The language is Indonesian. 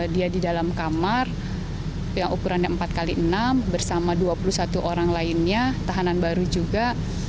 dia di dalam kamar yang ukurannya empat x enam bersama dua puluh satu orang lainnya tahanan baru juga